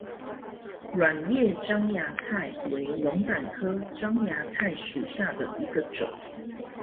卵叶獐牙菜为龙胆科獐牙菜属下的一个种。